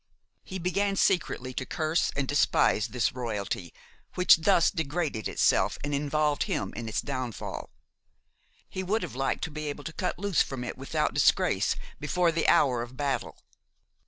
He began secretly to curse and despise this royalty which thus degraded itself and involved him in its downfall; he would have liked to be able to cut loose from it without disgrace before the hour of battle.